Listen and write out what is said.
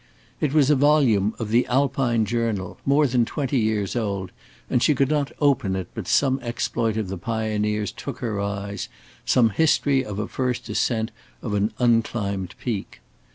It was a volume of the "Alpine Journal," more than twenty years old, and she could not open it but some exploit of the pioneers took her eyes, some history of a first ascent of an unclimbed peak.